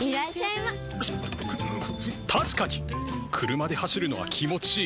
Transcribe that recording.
車で走るのは気持ちいい。